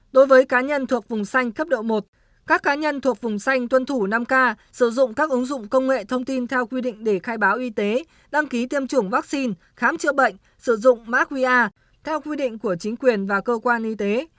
đối với cá nhân thuộc vùng xanh cấp độ một các cá nhân thuộc vùng xanh tuân thủ năm k sử dụng các ứng dụng công nghệ thông tin theo quy định để khai báo y tế đăng ký tiêm chủng vaccine khám chữa bệnh sử dụng mã qr theo quy định của chính quyền và cơ quan y tế